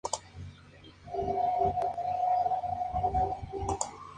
El acceso peatonal principal está previsto por la Av.